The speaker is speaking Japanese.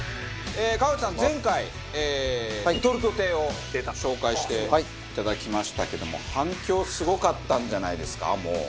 前回レトルト亭を紹介していただきましたけども反響すごかったんじゃないですかもう。